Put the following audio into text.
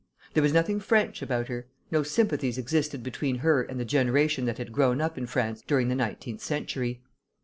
There was nothing French about her. No sympathies existed between her and the generation that had grown up in France during the nineteenth century.